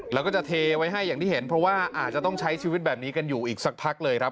แล้วก็จะเทไว้ให้อย่างที่เห็นเพราะว่าอาจจะต้องใช้ชีวิตแบบนี้กันอยู่อีกสักพักเลยครับ